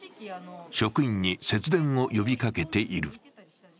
職員に節電を呼びかけている。